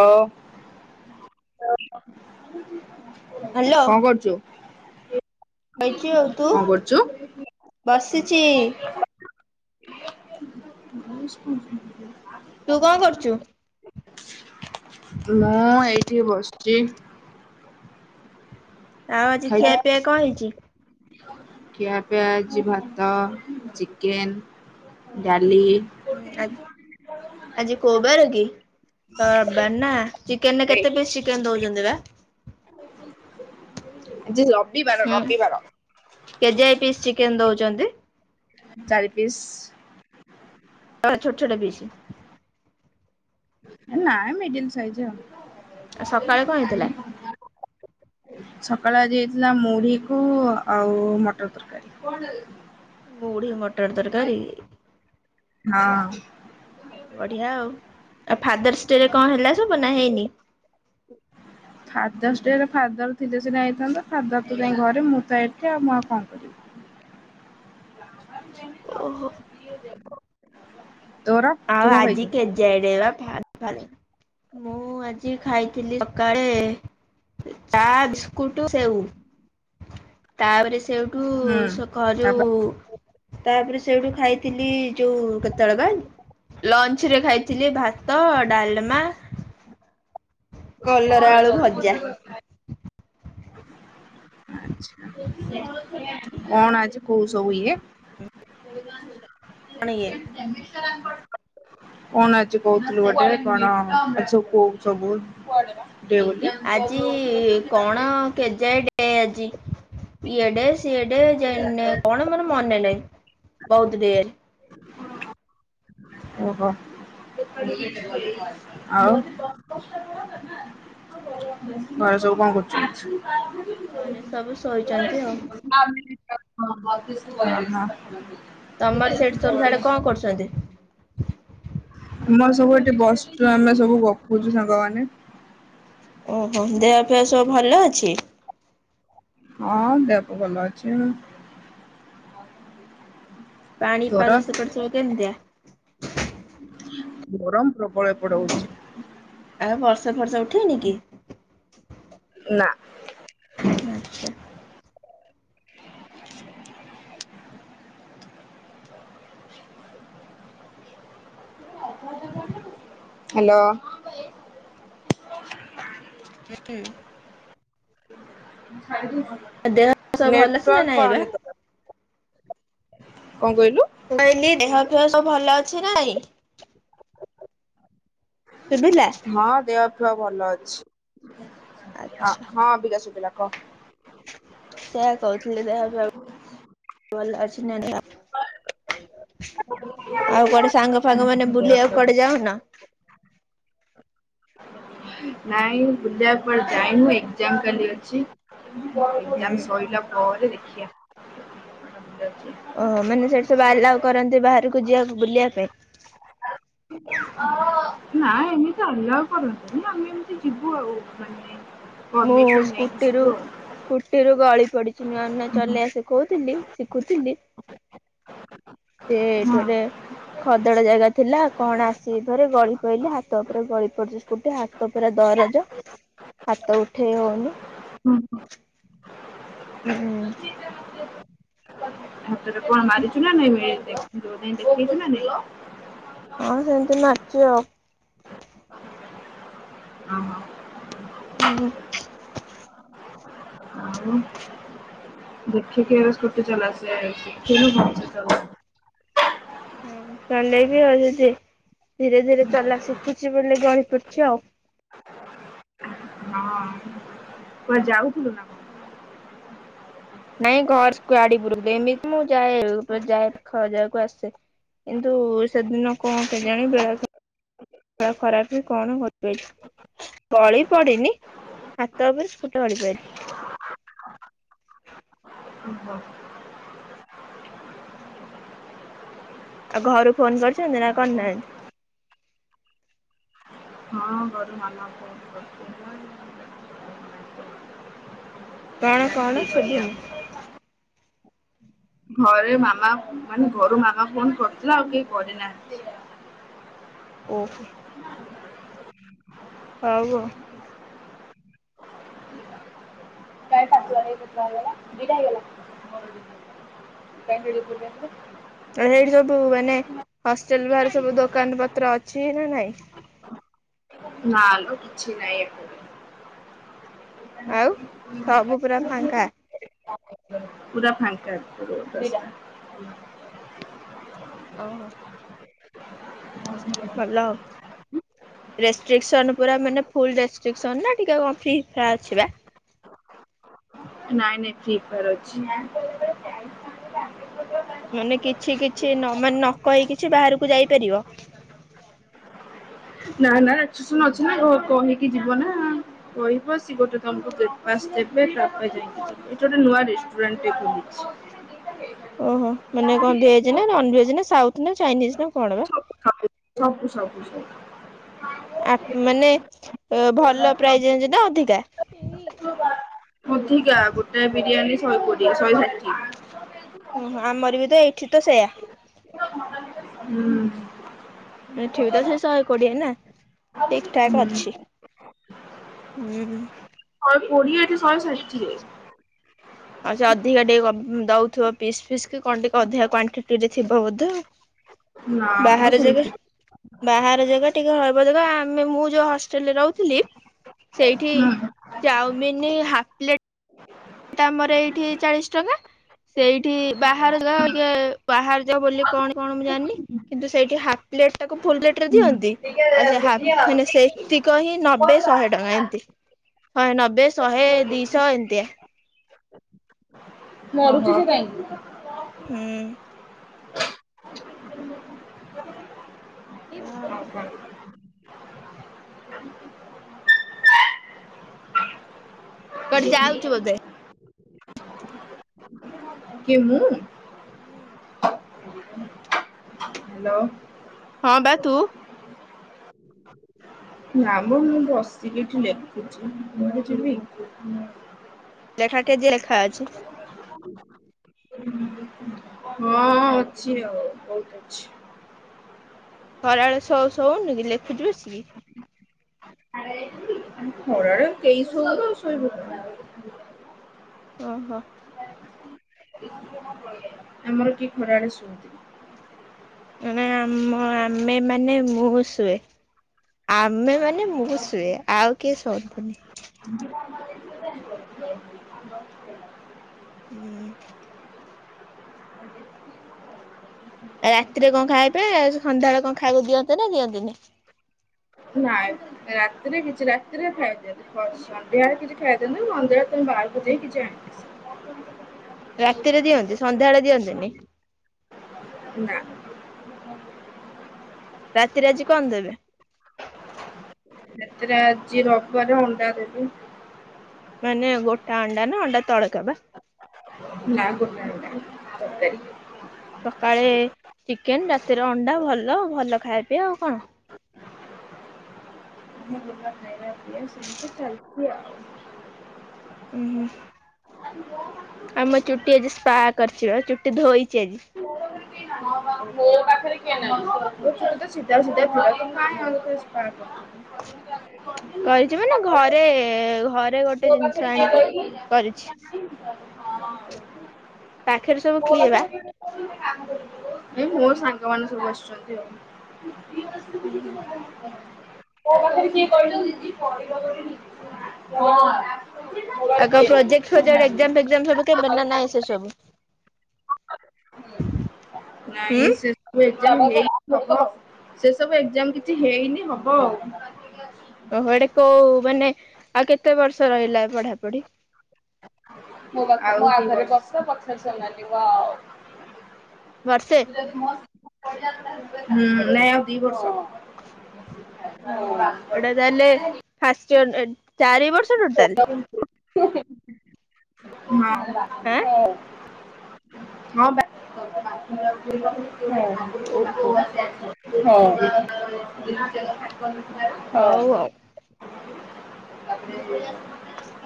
ହଉ। ହ୍ୟାଲୋ କଣ କରୁଚୁ? ବଇଚି ଆଉ ତୁ ବସିଚି। ସ୍କୁଲ ତୁ କଣ କରୁଚୁ? ମୁଁ ଏଇଠି ବସି ଜି। ଆଉ ଆଜି ଖିଆ ପିଇଆ କଣ ହେଇଛି? ଖିଆ ପିଆ ଭାତ ଚିକେନ ଡାଲି। ଆଜି କୋଉବାର କି ରବିବାର ନା ଚିକେନ କେତେ ପିସ୍ ଚିକେନ ଦଉଛି। [unintelligible] ବୁଝିଲ। ହୁଁ କେଜାଇ ପିସ୍ ଚିକେନ ଦଉଛି। ଛନ୍ତି। ଚାରି ପିସ୍। ଛୋଟ ଛୋଟ ପିସ। ନା ମିଡିିଲ ସାଇଜ ଆଉ। ଆଉ ସକାଳେ କଣ ହେଇଥିଲା? ସକାଳେ ଆଜି ହେଇଥିଲା ମୁଢିକୁ ଆଉ ମଟର ତରକାରୀ। ମୁଢି ମଟର ତରକାରୀ ହଁ। ବଢିଆ ଆଉ। ଆଉ ଫାଦର୍ସ ଡେ ରେ କଣ ହେଲା ସବୁ ନା ହେଇନି। ଫାଦରସ ଡେ ଫାଦର୍ ଥିଲେ ସିନା ହେଇଥାନ୍ତା ଫାଦର ତ ଯାଇ ଘରେ ମୁଁ ତ ଏଠି ଆଉ ମୁଁ ଆଉ କଣ କରିବି। ଓହୋ। [inaudible] ତୁ ଆଉ କଣ ଆଜି ଖାଇଛୁ? କେ ଯଡେଇ ବା। ମୁଁ ଆଜି ଖାଇଥିଲି ସକାଳେ ଚା ବିସ୍କୁଟ ସେଓ। ତାପରେ ସେଇଠୁ ହୁଁ ଘରୁ ତାପରେ ତାପରେ ସେଇଠୁ ଖାଇଥିଲି ଯୋଉ କେତେବେଳ ବା? ଲଞ୍ଚ ରେ ଖାଇଥିଲି ଭାତ ଡାଲମା। କଲରା ଆଳୁ ଭଜା। ଆଚ୍ଛା କଣ ଆଜି କୋଉ ସବୁ ଇଏ କଣ ଇଏ [inaudible] କଣ ଆଜି କହୁଥିଲୁ ଗୋଟେ କଣ ଏ ସବୁ କୋଉ ସବୁ ବଡ଼। ଆଜି କଣ କେଜାଣି? ଏ ଆଜି। ଇଏଡେ ସିଏଡେ ଯେ କଣ ମୋର ମନେ ନାହିଁ। ବହୁତ ଦେ ଓହୋ। [unintelligible] ଆଉ ତ ଏ ସବୁ କଣ କରୁଛ? ଘରେ ସବୁ ଶୋଇଚନ୍ତି ଆଉ। ଅ ହଁ। ତମର ସେ ସବୁ ସ୍ୟାଡେ ହଁ। କଣ କରୁଛନ୍ତି? [inaudible] ଆମର ସବୁ ଏଠି ବସିଛୁ ଆମେ ସବୁ ଗପୁଚୁ ସାଙ୍ଗମାନେ। ଓହୋ ଦେହ ଫେହ ସବୁ ଭଲ ଅଛି। ହଁ ଦେପ ଭଲ ଅଛି। ପାଣି ତୋର? ପାଗ ସେପଟେ ସବୁ କେମିତିଆ? ଗରମ ପ୍ରବଳ ଏପଟେ ହଉଚି। ଆଉ ବର୍ଷା ଫର୍ଷା ଉଠିଏ ନି କି? ନା। ଆଚ୍ଛା। ହାଲୋ। ହୁଁ। [unintelligible] ଦେହ ସବୁ ଭଲ ଅଛି ନା ନେଟୱାର୍କ ନାଇଁ ବା। ପାଉନି ତୋର। କଣ କହିଲୁ? ମୁଁ କହିଲି ଦେହ ଫହ ସବୁ ଭଲ ଅଛି ନାଇଁ ଶୁଭିଲା। ହଁ ଦେହ ଭଲ ଅଛି [inaudible] ହଁ ବିିଲାସୁ ବିଲା କ ସେ କହୁଥିଲେ ଦେହ ଫୟ ଅର୍ [inaudible] [inaudible] ଆଉ କୁଆଡେ ସାଙ୍ଗ ଫାଗ ମାନେ ବୁଲିିବାକୁ କୁଆଡେ ଯାଉନ ନାଇଁ ବୁଲିବାକୁ କୁଆଡେ ଯାଇ ହୁଏ ଜାମ୍ କାଲି ଅଛି ହୁଁ। ଜାମ୍ ସଇଲା ପରେ [inaudible] ଓହୋ ମାନେ ସେଇଠି ସବୁ ଆଲୋ କରନ୍ତି ବାହାରକୁ ଯିବାକୁ ବୁଲିବା ପାଇଁ ଆ ନା ଏମିତି ଆଲାୱା କରନ୍ତିନି ଆମେ ଏମିତି ଯିବୁ ଆଉ ମାନେ ମୁଁ ପରମିସନ ନେଇକି ସ୍କୁଟିରୁ ଯିବୁ ଆଉ ସ୍କୁଟିରୁ ଗଳି ଚୋଡ଼ି ଛି ନୂଆ ନୂଆ ଚଲେଇ ବା ଶିକହୁଥିଲି ଶିଖୁଥିଲି ହଁ। ସେଠଡେ ଖଦଡ ଜାଗା ଥିଲା କଣ ଆସିବି ଥରେ ଗଳି ପଇିଲ ହାତ ଉପରେ ଗଳି ପଡିଛି ସ୍କୁଟି ହାତ ପୁରା ଦରଜ ହାତ ଉଠେଇ ହଉନି ହୁଁ ହଁ [unintelligible] [unintelligible] ହ ହୁଁ [unintelligible] ରେ କଣ ମାରିୁ ନା ନାଇଁ [unintelligible] ମିଳି ଟ କିନିଲ [unintelligible] ହଁ ସେମିତି ମାରିଚି ଆଉ ହ [unintelligible] ହୁ ଆଉ ଦେଖିକି ସ୍କୁଟି ଚଲାସ ଶିଖିଲୁ ଭ ସେ ହଁ ଚଲେଇବି ଆଉ ଯଦି ଧୀରେ ଧୀରେ ଚଲା ଶିଖୁଛି ବୋଲି ଜଣି ପଡଛି ଆଉ ମ ଯାଉ [inaudible] ନାଇଁ ଘର ଗାଡି ପୁରୁ ଏମିତି ମୁଁ ଯାଏ ଯାଏ ପାଖ ଯାକୁ ଆସେ କିନ୍ତୁ ସେଦିନ କଣ କେଜାଣି ଖରାପ ବି କଣ କରିପାରଛି ଗଳି ପଡିନି ହାତ ଉପରେ ସ୍କୁଟ ଅଳି ପାରି [unintelligible] ଓହୋ ଆଉ ଆଉ ଘରୁ ଫୋନ କରଛୁନ୍ତି ନା କନାନ୍ତି ବରୁ ମନ କ ବୁ [unintelligible] କଣ ରାତି କଣ ସବୁନ କରିବା। ଘରେ ମାମା ମାନେ ଘରୁ ମାମା ଫୋନ୍ କରିୁଥିଲା ଆଉ କେହି କରିନାହାନ୍ତି। ଓହୋ। ହଉ ଆଉ। [unintelligible] ସେଇଠି ସବୁ ମାନେ ହଷ୍ଟେଲ ବାହାରେ ସବୁ ଦୋକାନ ପାଖରେ ଅଛି ନା ନାଇଁ? ନାଲୋ କିଛି ନାଇଁ ଏଠୀ। ଆଉ ସବୁ ପୁରା ଫାଙ୍କା। ପୁରା ଫାଙ୍କ ପୁରା ଫାଙ୍କା। ଓହୋ। ଭଲ ଆଉ। ରେଷ୍ଟ୍ରିକସନ ପୁର ମାନେ ଫଲ ରେଷ୍ଟି କସନ ନା ଟିକେ କଣ ଫି ଫ ଅଛି ବା। ନାଇଁ ନାଇଁ ଫ୍ରି ଫ୍ରା ଅଛି ନା। ମାନେ କିଛି କିଛି ନ ମାନେ ନ କହି କିଛି ବାହାରକୁ ଯାଇପାରିବ। ନା ନା ରାକ୍ଷସନ ଅଛି କହିକି ଯିବ ନା କହିବ ସିଏ ଗୋଟେ ତମକୁ ଗ୍ରୋଷ୍ଟ ଦେବେ ତାପରେ ଯାଇକି ଯ ଏଠ ଗୋଟେ ନୂଆ ରେଷ୍ଟୁରଣ୍ଡ ଖୋଲିଛି। ଓହୋ ମାନେ କଣ ଭେଜ ନା ନନ ଭେଜ ନା ସାଉଥ ନା ଚାଇନିଜ ନା କଣ ବା। ସବୁ ସବୁ ସବୁ ସବୁ ସବୁ। ଆ ମାନେ ଭଲ ପ୍ରାଇଜ ଜଣିଛି ନା ଅଧିକ କା। ଅଧିକା ଗୋଟେ ବିରିୟାନୀ ସହେ କୋଡିଆ ସହେ ଷାଠିଏ। ଓହୋ ଆମର ବି ତ ଏଇଠି ତ ସେଇୟା। ହୁଁ। ଏଠିବି ତ ସେ ଶହେ କୋଡ଼ିଏ ନା ହୁଁ ଠିକଠାକ ଅଛି ହୁଁ ଶହେ କୋଡ଼ିଏଠି ଶହ ଷାଠିଏ। ଆଉ ସେ ଅଧିକା ଟିକେ ଦଉଥିବ ପିସ୍ ଫିସ୍ କି କଣ ଟିକେ ଅଧିକା କ୍ଵଣ୍ଟିରେ ଥିବ ବୋଧ। ନା ମୁଁ ସେମିତି। ବାହାର ଜାଗା ଟିକେ ହଳବ ଦେ ଆମେ ମୁଁ ଯୋଉ ହଷ୍ଟେଲରେ ରହୁଥିଲି। ସେଇଠି ଯାଉ। Mini half plate. ଆମର ଏଇଠି ଚାଳିଶ ଟଙ୍କା ସେଇଠି ବାହାର ଯା ବାହାର ଯା ବୋଲି କଣ କଣ ମୁଁ ଜାଣିନି କିନ୍ତୁ ସେଇଠି ହା ପ୍ଲେଟାକୁ ଫୁଲ ପ୍ଲେଟରେ ଦିଅନ୍ତି। ଟିକେ ଆଛା ହା ବୁଝି ଆଉ ମାନେ ସେ ନାଇକି? ହିଁ ନବେ ଶହେ ଟଙ୍କା ଏମତି ଶହେ ନବେ ଶହେ ଦିଶହ ଏମତିଆ। ମରୁଛ ତୁ କାଇଁକି। ହୁଁ। ହ। କୁଆଡେ ଯାଉଛୁ ବୋଧେ। କିଏ ମୁଁ। ହଁ। ହ୍ୟାଲୋ। ହଁ ବା ତୁ। ନା ମୁଁ ମୁଁ ଅସି କି ଏଠି ଲେଖୁଛି କୁଆଡେ ଯିବି। ଲେଖା କେଜି [inaudible] ହଁ ଅଛି ଆଉ ବହୁତ ଅଛି। ଖରାବେଳେ ସେ ସଉନୁ କି ଲେଖୁଛି ବସିକି। ଆ କେହି ସୋଉନ ଶୋଇବ କ ଓ ହୋ। ଆମର କି ଖରାବେଳେ ଶୁଅନ୍ତି ନି। ନା ଆମ ଆମେ ମାନେ ମୁଁ ଶୁଏ। ଆମେ ମାନ ମୁଁ ଶୁଏ ଆଉ କିଏ ଶୁଅନ୍ତିନି। ହୁଁ। ରାତିରେ କଣ ଖାଇବେ ସନ୍ଧ୍ୟାବେଳେ କଣ ଖାଇବେ ଦିଅନ୍ତେ ନା ଦିଅନ୍ତିନି। ନାଇଁ [inaudible] ରାତିରେ କିଛି ରାତିରେ ଖାଇ ଦିଅନ୍ତ। ସନ୍ଧ୍ୟାାରେ କିଛି ଖାଇ ଦିଅନ୍ତତା ମନ୍ଦର ବାହାରକୁ ଯାଇ କିଛି ଆଣିନ୍ତି। ରାତିରେ ଦିଅନ୍ତି ସନ୍ଧ୍ୟାଳେ ଦିଅନ୍ତିନି। [inaudible] ନା ନା। ଓହୋ ରାତିରେ ଆଜି କଣ ଦେବେ। [inaudible] ଏତ ଯ ରବର ଅଣ୍ଡା ଦେବେ। ମାନେ ଗୋଟା ଅଣ୍ଡା ନା ଅଣ୍ଡା ତଳକା ବା। ନା ଗୋଟା ଅଣ୍ଡା। ସକାଳେ ଚିକେନ ରାତିରେ ଅଣ୍ଡା ଭଲ ଭଲ ଖାଇବେି ଆଉ କଣ। [inaudible] ଏ ସେ ତ ଚାଲଛି ଆଉ। ଉ ହୁଁ [inaudible] ଆମ ଚୁଟି ଆଜି ସ୍ପା କରିଛି ଚୁଟି ଧୋଇଛି ଆଜି। ମୋ ପାଖରେ କିଏ ନାହିଁ। [unintelligible] କରୁଥିଲୁ। କରିଛି ମନା ଘରେ। ଏ ଘରେ ଗୋଟେ ଜିନିଷ ଆଣିକି କରିଛି [unintelligible] ପାଖରେ ସବୁ କିଏ ବା। ଏ ମୋ ସାଙ୍ଗ ମାନ ସବୁ ଆସିଛନ୍ତି ଆଉ। ହୁଁ ହୁଁ। [unintelligible] ଆଉ କଣ ପ୍ରୋକ୍ଟଜେକ୍ଟ ଫୋଜେକ୍ଟ ଏକଜାମ ସବୁ କେବେନା ନହିଁ ସେ ସବୁ [inaudible] ନାଇଁ ହୁଁ ସେ ସବୁ ସେ ସବୁଏକ୍ସଜାମ ହେଇନି ଏ କିଛି ହେଇନି ହବ ଆଉ। ଓହୋ ଏଡେ କୋଉ ମାନେ ଆଉ କେତେ ବର୍ଷ ରହିଲା ପଢା ପଢି? [inaudible] [unintelligible] ତୁ ଯଦି ନ ଆସିବୁ କହିଲା ବର୍ଷେ ହୁଁ ନାଇଁ ଆଉ ଦି ବର୍ଷ। [inaudible] ଓହୋ ଏଇଟା ତାହେଲେ ହଁ। ଫା ଚାରି ବର୍ଷ ଅଛି ଟୋଟାଲୀ ହଁ। ଆଁ ହଁ। ହଁପା ଓହୋ [unintelligible] [unintelligible] ହଁ। ହଉ ଆଉ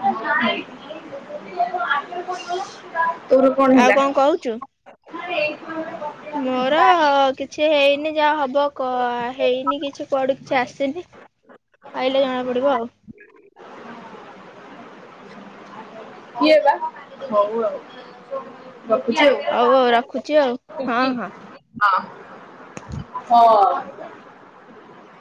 [unintelligible] ତୋର କଣ ଆଉ ହେଲା କହୁଛୁ? ମୋର କିଛି ହେଇନି ଯାହା ହବ କହେଇନି କିଛି କୁଆଡୁ କିଛି ଆସିନି ଆଇିଲ ଜଣା ପଡିବ ଆଉ କିଏ ବା ହଉ ଆଉ ହଉ ଆଉ ରାଖୁଛି ଆଉ ହଁ ପ୍ରୀତି। ହଁ ହଁ। ହଁ।